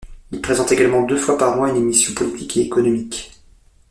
Il présente également deux fois par mois une émission politique et économique.